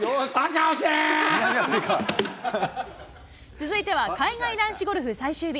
続いては、海外男子ゴルフ最終日。